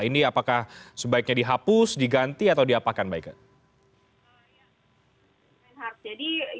ini apakah sebaiknya dihapus diganti atau diapakan baiknya